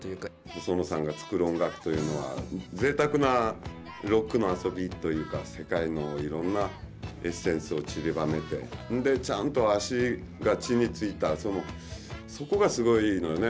細野さんが作る音楽というのはぜいたくなロックの遊びというか世界のいろんなエッセンスをちりばめてそんでちゃんと足が地についたそこがすごいのよね。